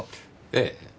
ええ。